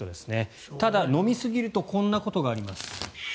ただ、飲みすぎるとこんなことがあります。